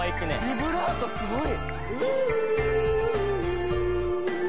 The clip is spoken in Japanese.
ビブラートすごい。